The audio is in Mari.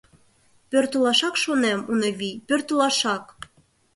— Пӧртылашак шонем, Унавий, пӧртылашак!